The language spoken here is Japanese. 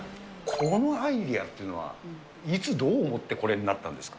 このアイデアっていうのはいつ、どう思って、これになったんですか。